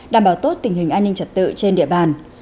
đảm bảo tốt tình hình an ninh trật tự trên địa bàn